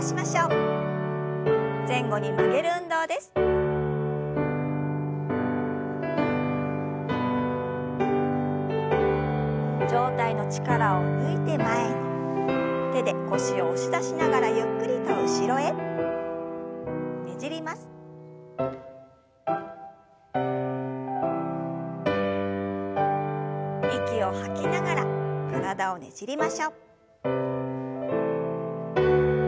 息を吐きながら体をねじりましょう。